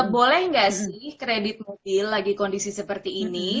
boleh nggak sih kredit mobil lagi kondisi seperti ini